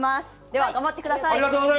では、頑張ってください。